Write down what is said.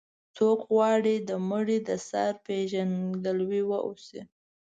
څوک غواړي د مړي د سر پېژندګلوي واوسي.